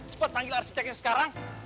cepat panggil arsiteknya sekarang